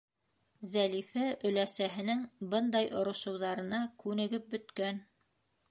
Зәлифә өләсәһенең бындай орошоуҙарына күнегеп бөткән.